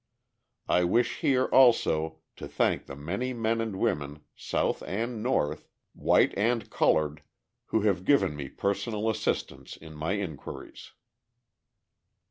I wish here, also, to thank the many men and women, South and North, white and coloured, who have given me personal assistance in my inquiries.